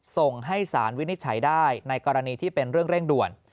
ส่งให้สารวินิจฉัยได้ในกรณีที่เป็นเรื่องเร่งด่วน